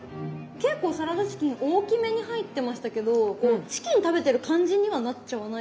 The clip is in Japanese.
結構サラダチキン大きめに入ってましたけどチキン食べてる感じにはなっちゃわないですか？